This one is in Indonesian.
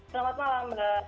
selamat malam mbak